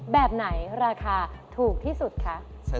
แบบไหนราคาถูกที่สุดคะ